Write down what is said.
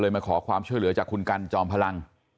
มาขอความช่วยเหลือจากคุณกันจอมพลัง